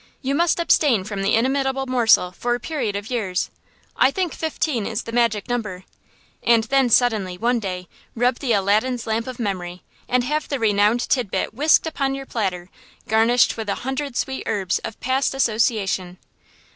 You must abstain from the inimitable morsel for a period of years, I think fifteen is the magic number, and then suddenly, one day, rub the Aladdin's lamp of memory, and have the renowned tidbit whisked upon your platter, garnished with a hundred sweet herbs of past association.